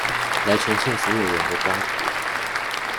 來呈現所有人的光譜